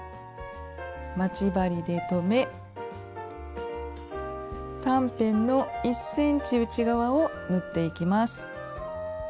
待ち針で留め短辺の１ｃｍ内側を縫っていきます。